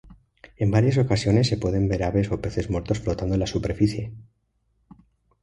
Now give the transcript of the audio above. En varias ocasiones se pueden ver aves o peces muertos flotando en la superficie.